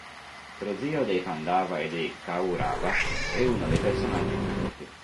Prozio dei Pandava e dei Kaurava, è uno dei personaggi più forti.